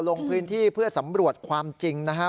ลงพื้นที่เพื่อสำรวจความจริงนะฮะ